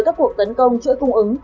các cuộc tấn công chuỗi cung ứng